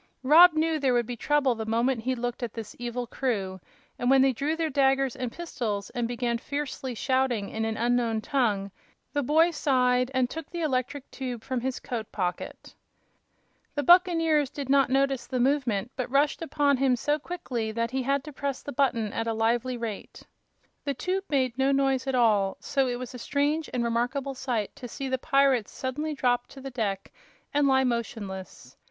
Rob knew there would be trouble the moment he looked at this evil crew, and when they drew their daggers and pistols and began fiercely shouting in an unknown tongue, the boy sighed and took the electric tube from his coat pocket. The buccaneers did not notice the movement, but rushed upon him so quickly that he had to press the button at a lively rate. The tube made no noise at all, so it was a strange and remarkable sight to see the pirates suddenly drop to the deck and lie motionless.